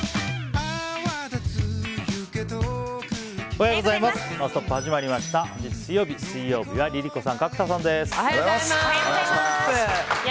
おはようございます。